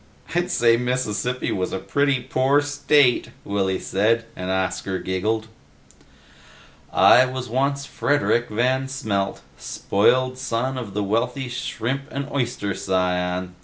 "I'd say Mississippi was a pretty poor state," Willy said, and Oscar giggled. "I once was Frederik Van Smelt, spoiled son of the wealthy shrimp and oyster scion.